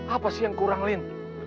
apa sih yang kurang lin